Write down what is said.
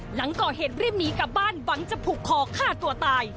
หลังก่อเหตุรีบหนีกลับบ้านหวังจะผูกคอฆ่าตัวตาย